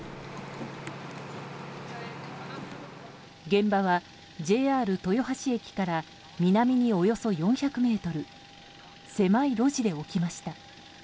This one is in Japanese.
現場はＪＲ豊橋駅から南におよそ４００ｍ狭い路地で起きました。